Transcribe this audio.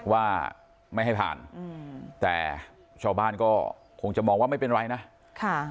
ว่าไม่ให้ผ่านอืมแต่ชาวบ้านก็คงจะมองว่าไม่เป็นไรนะค่ะ